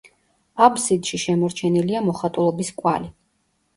აბსიდში შემორჩენილია მოხატულობის კვალი.